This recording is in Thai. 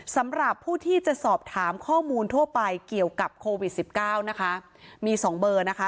สำหรับผู้ที่จะสอบถามข้อมูลทั่วไปเกี่ยวกับโควิดสิบเก้านะคะมีสองเบอร์นะคะ